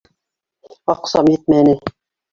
Аҡсам етмәне.